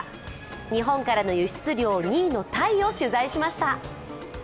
日本からの輸出量２位のタイを取材しました。